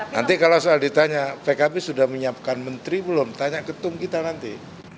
nanti kalau soal ditanya pkb sudah menyiapkan menteri belum tanya ketum kita nanti